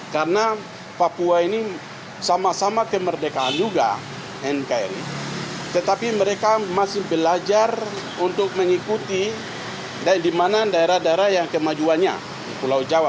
karena papua ini sama sama kemerdekaan juga nkri tetapi mereka masih belajar untuk mengikuti dan di mana daerah daerah yang kemajuannya pulau jawa